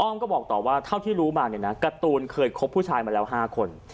องก็บอกต่อว่าเท่าที่รู้มาเนี่ยนะการ์ตูนเคยคบผู้ชายมาแล้ว๕คน